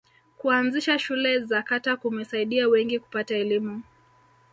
kuanzisha shule za kata kumesaidia wengi kupata elimu